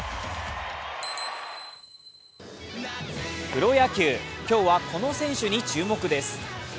プロ野球、今日はこの選手に注目です。